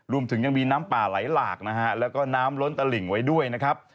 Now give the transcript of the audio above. รวมถึงยังมีน้ำป่าไหลหลากนะฮะแล้วก็น้ำล้นตลิ่งไว้ด้วยนะครับ